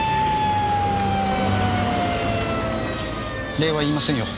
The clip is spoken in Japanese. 礼は言いませんよ。